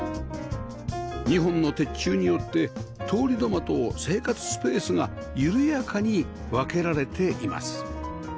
２本の鉄柱によって通り土間と生活スペースが緩やかに分けられています